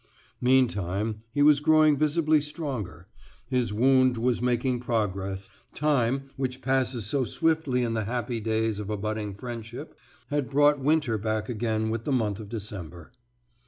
Meantime, he was growing visibly stronger; his wound was making progress; time, which passes so swiftly in the happy days of a budding friendship, had brought winter back again with the month of December.